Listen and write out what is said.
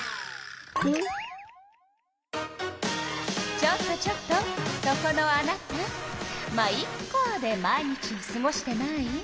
ちょっとちょっとそこのあなた「ま、イッカ」で毎日をすごしてない？